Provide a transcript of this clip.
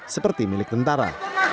seperti milik tentara